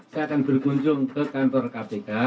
saya akan berkunjung ke kantor kpk